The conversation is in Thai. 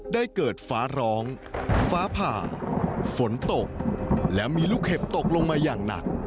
ได้เกิดฟ้าร้องฟ้าผ่าฝนตกและมีลูกเห็บตกลงมาอย่างหนัก